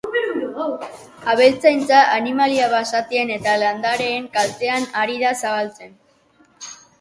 Abeltzaintza animalia basatien eta landareen kaltean ari da zabaltzen.